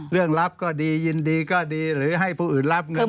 เรื่องลับก็ดียินดีก็ดีหรือให้ผู้อื่นรับเงินพร้อม